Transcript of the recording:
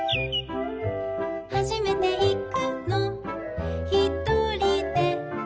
「はじめていくのひとりで」